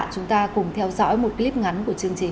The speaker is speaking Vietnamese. chúng ta cùng theo dõi một clip ngắn của chương trình